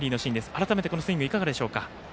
改めて、このスイングいかがでしょうか。